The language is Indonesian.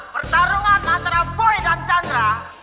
pertarungan antara boy dan chandra